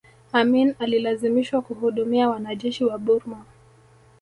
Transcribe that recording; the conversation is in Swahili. amin alilazimishwa kuhudumia wanajeshi wa burma